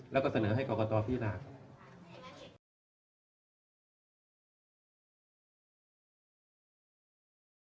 แล้วก็เสนอให้กรกตพินาครับ